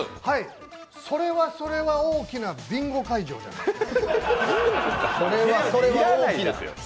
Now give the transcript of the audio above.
それはそれは大きなビンゴ会場じゃないですか？